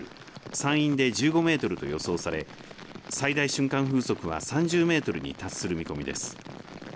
山陰で１５メートルと予想され最大瞬間風速は３０メートルに達する見込みです。